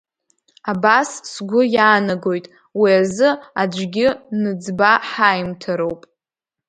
Абас сгәы иаанагоит, уи азы аӡәгьы ныӡба ҳаимҭароуп…